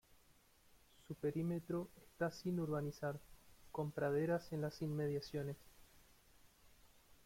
Su perímetro está sin urbanizar, con praderas en las inmediaciones.